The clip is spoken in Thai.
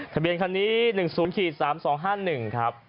ทะเบียนคันนี้๑๐๓๒๕๑ครับ